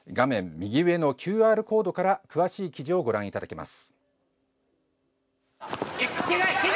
右上のＱＲコードから詳しい記事をご覧いただけます。